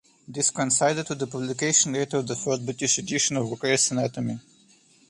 This coincided with the publication date of the third British edition of Gray's Anatomy.